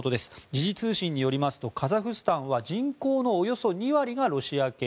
時事通信によりますとカザフスタンは人口のおよそ２割がロシア系。